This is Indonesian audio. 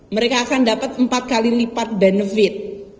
mereka akan dapat empat kali lipat benefit